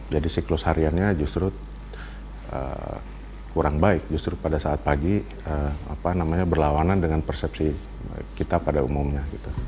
jadi siklus hariannya justru kurang baik justru pada saat pagi berlawanan dengan persepsi kita pada umumnya